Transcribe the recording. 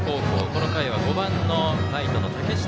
この回は５番ライトの嶽下